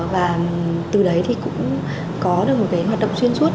và từ đấy thì cũng có được một cái hoạt động xuyên suốt